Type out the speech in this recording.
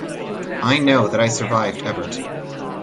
I know that I survived Evert.